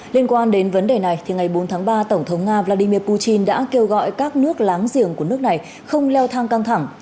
liên quan đến vấn đề này ngày bốn tháng ba tổng thống nga vladimir putin đã kêu gọi các nước láng giềng của nước này không leo thang căng thẳng